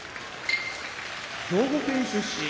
兵庫県出身